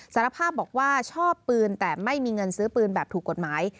สารภาพบอกว่าชอบปืนแต่ไม่มีเงินซื้อปืนแบบถูกกฎหมาย